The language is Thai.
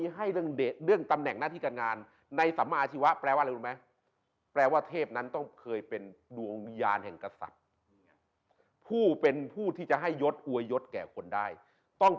ขอให้น่าที่การงานธุรกิจแม่งคงและทาวอง